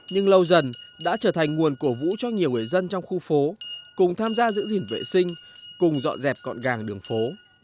nhưng lâu dần đã trở thành nguồn cổ vũ cho nhiều người dân trong khu phố cùng tham gia giữ gìn vệ sinh cùng dọn dẹp gọn gàng đường phố